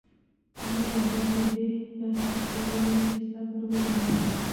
موږ یوازې دې ته اړتیا لرو چې صبر ولرو.